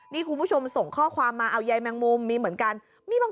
นี่คุณผู้ชมส่งข้อความมาเอายายแมงมุมมีเหมือนกันมีบาง